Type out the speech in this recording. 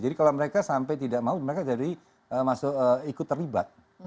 jadi kalau mereka sampai tidak mau mereka jadi masuk ikut terlibat